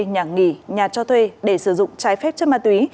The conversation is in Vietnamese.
nhà nghỉ nhà cho thuê để sử dụng trái phép chất ma túy